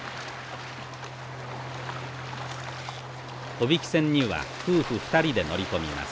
帆引き船には夫婦２人で乗り込みます。